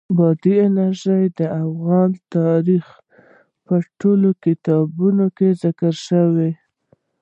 بادي انرژي د افغان تاریخ په ټولو کتابونو کې ذکر شوې.